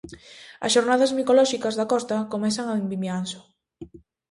As xornadas micolóxicas da Costa comezan en Vimianzo.